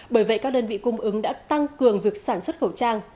bởi vậy các đơn vị cung ứng đã tăng cường việc sản xuất khẩu trang